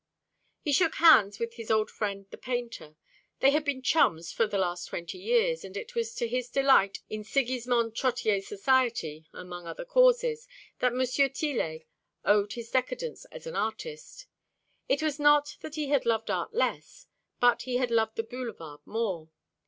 He shook hands with his old friend the painter. They had been chums for the last twenty years; and it was to his delight in Sigismond Trottier's society, among other causes, that M. Tillet owed his decadence as an artist. It was not that he had loved art less, but he had loved the Boulevard more.